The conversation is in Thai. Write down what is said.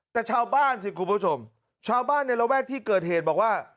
แต่ชาวบ้านสิคุณผู้ชมชาวบ้านในระแวกที่เกิดเหตุบอกว่า